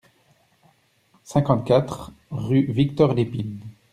cinquante-quatre rue Victor Lépine